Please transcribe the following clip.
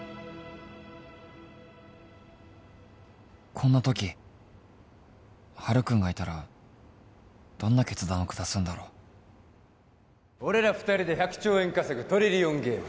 こんな時ハル君がいたらどんな決断を下すんだろう俺ら二人で１００兆円稼ぐトリリオンゲーム